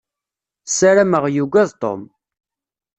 Ssarameɣ yugad Tom.